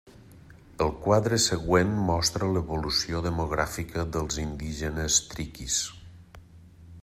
El quadre següent mostra l'evolució demogràfica dels indígenes triquis.